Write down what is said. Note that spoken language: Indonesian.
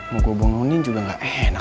mau gue bangunin juga gak enak